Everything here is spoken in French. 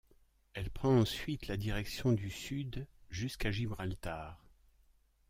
Elle prend ensuite la direction du sud jusqu'à Gibraltar.